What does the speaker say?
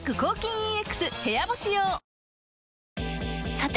さて！